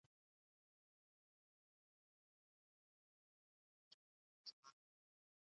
د اوبو سرچینې د افغانستان د چاپیریال د مدیریت لپاره مهم دي.